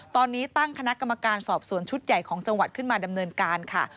ตอนนี้ตั้งคณะกรรมการสอบสวนชุดใหญ่ของจังหวัดขึ้นมาดำเนินการค่ะ